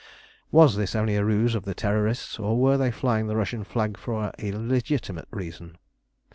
Was this only a ruse of the Terrorists, or were they flying the Russian flag for a legitimate reason?